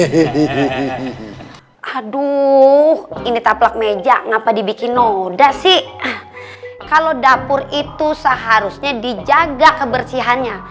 hai harusnya dijaga kebersihannya kalau gak insert catherine kalau dapur itu seharusnya dijaga aku bersih